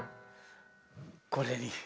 これに。